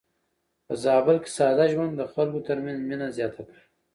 په زابل کې ساده ژوند د خلکو ترمنځ مينه زياته کړې.